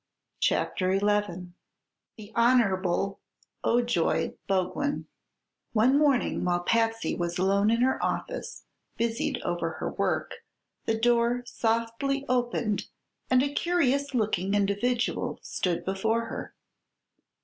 CHAPTER XI THE HONER'BLE OJOY BOGLIN One morning while Patsy was alone in her office, busied over her work, the door softly opened and a curious looking individual stood before her.